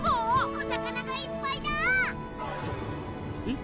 お魚がいっぱいだ！えっ？